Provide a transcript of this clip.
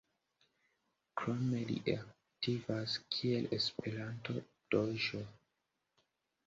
Krome li aktivas kiel Esperanto-DĴ.